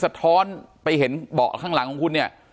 สะท้อนไปเห็นเบาะข้างหลังของคุณเนี่ย